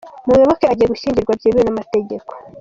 Muyoboke agiye gushyingirwa byemewe n’amategeko